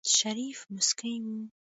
شريف موسکی و.